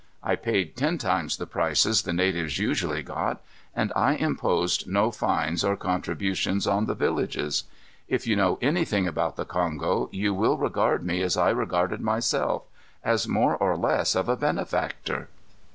I paid ten times the prices the natives usually got and I imposed no fines or contributions on the villages. If you know anything about the Kongo, you will regard me as I regarded myself as more or less of a benefactor.